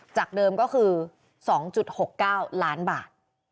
จากเดิมก็คือ๒๖๙ล้านบาท